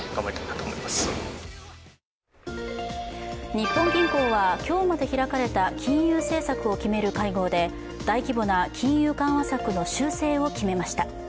日本銀行は今日まで開かれた金融政策を決める会合で大規模な金融緩和策の修正を決めました。